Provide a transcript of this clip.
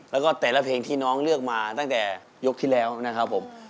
แล้วก็แต่ละเพลงที่น้องเลือกมาตั้งแต่ยกที่แล้วนะครับผม